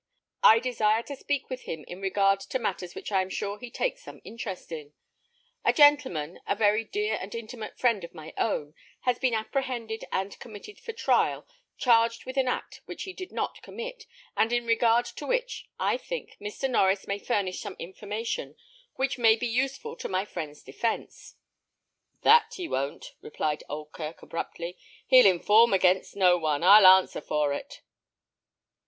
I desire to speak with him in regard to matters which I am sure he takes some interest in. A gentleman, a very dear and intimate friend of my own, has been apprehended and committed for trial, charged with an act which he did not commit, and in regard to which, I think, Mr. Norries may furnish some information which may be useful to my friend's defence." "That he won't," replied Oldkirk, abruptly. "He'll inform against no one, I'll answer for it."